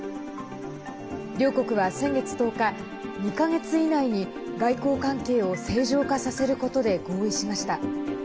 両国は、先月１０日２か月以内に外交関係を正常化させることで合意しました。